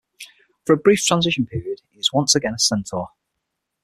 For a brief transition period, he is once again a centaur.